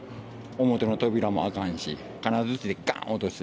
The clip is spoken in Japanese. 表の扉も開かんし、金づちでがーんと落として。